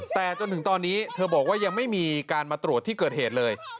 แต่จนถึงตอนนี้เธอบอกว่ายังไม่มีการมาตรวจที่เกิดเหตุเลย